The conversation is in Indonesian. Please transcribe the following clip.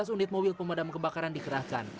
delapan belas unit mobil pemadam kebakaran dikerahkan